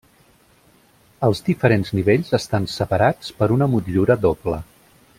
Els diferents nivells estan separats per una motllura doble.